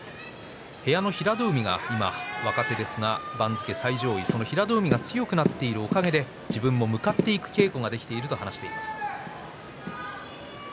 部屋の平戸海は若手ですが番付最上位と平戸海が強くなっているおかげで自分も向かっていく稽古ができていると話しています。